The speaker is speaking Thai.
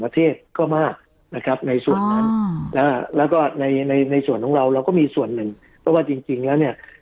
ประเทศก็มากนะครับในส่วนนั้นแล้วก็ในในส่วนของเราเราก็มีส่วนหนึ่งเพราะว่าจริงแล้วเนี่ย